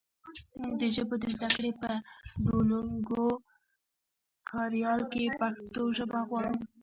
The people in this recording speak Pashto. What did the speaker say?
مونږ د ژبو د زده کړې په ډولونګو کاریال کې پښتو ژبه غواړو